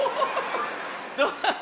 どうだった？